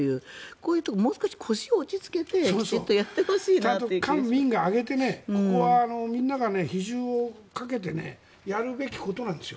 こういうもう少し腰を落ち着けて官民が挙げてここはみんなが比重をかけてやるべきことなんです。